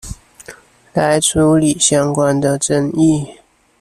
來處理相關的爭議